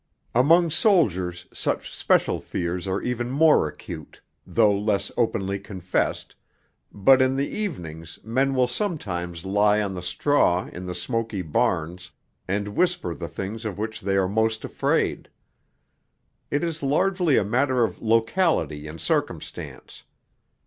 Among soldiers such special fears are even more acute, though less openly confessed, but in the evenings men will sometimes lie on the straw in the smoky barns and whisper the things of which they are most afraid. It is largely a matter of locality and circumstance.